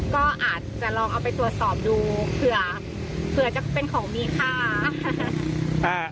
ก็อาจจะลองเอาไปตรวจสอบดูเผื่อจะเป็นของมีค่า